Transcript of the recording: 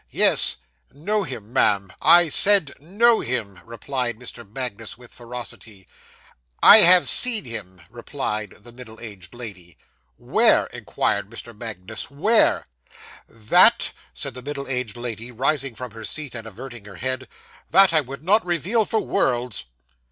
'Yes, know him, ma'am; I said know him,' replied Mr. Magnus, with ferocity. 'I have seen him,' replied the middle aged lady. 'Where?' inquired Mr. Magnus, 'where?' 'That,' said the middle aged lady, rising from her seat, and averting her head 'that I would not reveal for worlds.